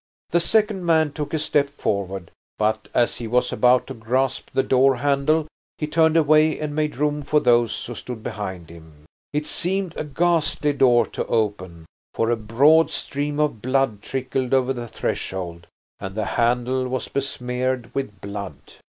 The second man took a step forward, but as he was about to grasp the door handle he turned away and made room for those who stood behind him. It seemed a ghastly door to open, for a broad stream of blood trickled over the threshold and the handle was besmeared with blood.